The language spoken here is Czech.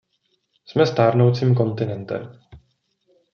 Jsme stárnoucím kontinentem.